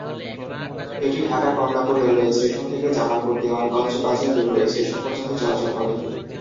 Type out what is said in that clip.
এটি ঢাকার Kamalapur railway station থেকে জামালপুরের দেওয়ানগঞ্জ বাজার রেলওয়ে স্টেশন পর্যন্ত চলাচল করে।